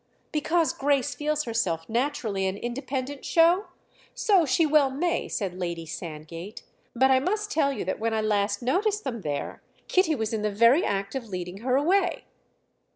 "Because Grace feels herself naturally an independent show? So she well may," said Lady Sandgate, "but I must tell you that when I last noticed them there Kitty was in the very act of leading her away."